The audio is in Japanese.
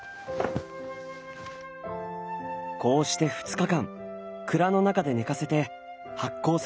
こうして２日間蔵の中で寝かせて発酵させます。